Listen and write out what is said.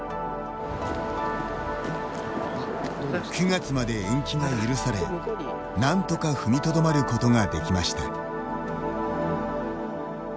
９月まで延期が許され何とか踏みとどまることができました。